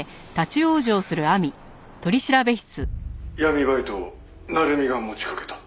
闇バイトを鳴海が持ちかけた。